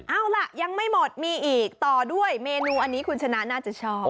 เอาล่ะยังไม่หมดมีอีกต่อด้วยเมนูอันนี้คุณชนะน่าจะชอบ